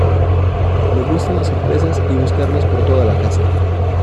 me gustan las sorpresas y buscarlas por toda la casa.